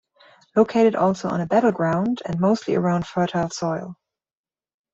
Located also on a battleground and mostly around fertile soil.